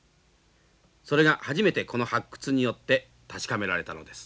それが初めてこの発掘によって確かめられたのです。